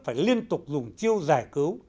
phải liên tục dùng chiêu giải cứu